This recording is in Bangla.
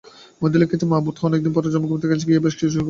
মহেন্দ্র লিখিয়াছে, মা বোধ হয় অনেক দিন পরে জন্মভূমিতে গিয়া বেশ সুখে আছেন।